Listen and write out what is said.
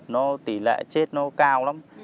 nó tỷ lệ chết nó cao lắm